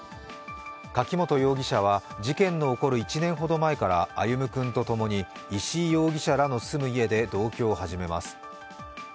柿本容疑者は、事件の起こる１年ほど前から歩夢君と共に石井容疑者らの住む家で同居を始めます。